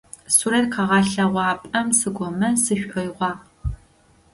Сурэт къэгъэлъэгъуапӏэм сыкӏомэ сшӏоигъуагъ.